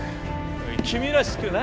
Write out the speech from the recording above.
おい君らしくない。